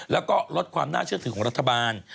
แล้วก็ลดความน่าเชื่อถือของรัฐบาล